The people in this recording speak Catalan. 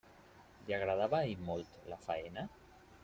Li agradava a ell molt la faena?